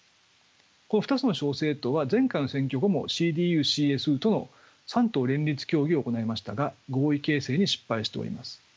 この２つの小政党は前回の選挙後もＣＤＵ／ＣＳＵとの３党連立協議を行いましたが合意形成に失敗しております。